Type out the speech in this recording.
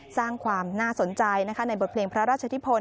สร้างความน่าสนใจในบทเพลงพระราชทิพล